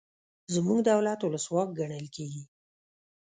زموږ دولت ولسواک ګڼل کیږي.